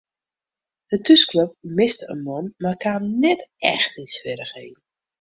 De thúsklup miste in man mar kaam net echt yn swierrichheden.